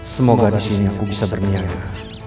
semoga disini aku bisa berniaga